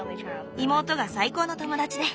妹が最高の友だちで。